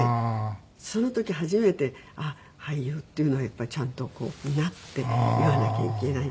その時初めて俳優っていうのはやっぱりちゃんとこう「んが」って言わなきゃいけないんだって。